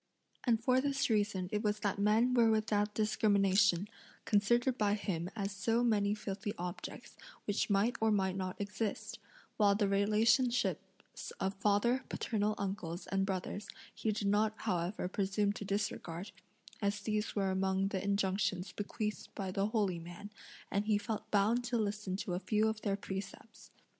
And for this reason it was that men were without discrimination, considered by him as so many filthy objects, which might or might not exist; while the relationships of father, paternal uncles, and brothers, he did not however presume to disregard, as these were among the injunctions bequeathed by the holy man, and he felt bound to listen to a few of their precepts.